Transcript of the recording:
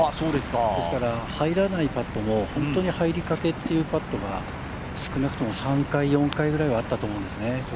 ですから、入らないパットも本当に入りかけというパットが少なくとも３回、４回くらいはあったと思うんですね。